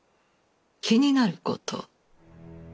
気になること？